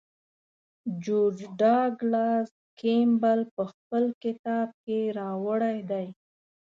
جورج ډاګلاس کیمبل په خپل کتاب کې راوړی دی.